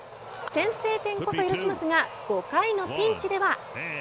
先制点こそ許しますが５回のピンチでは。